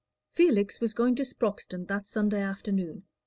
Felix was going to Sproxton that Sunday afternoon.